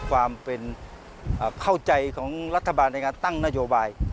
ความเป็นเข้าใจของรัฐบาลในการตั้งนโยบาย